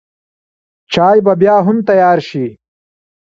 چای به بیا هم تیار شي.